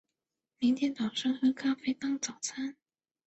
明天早上喝咖啡当早餐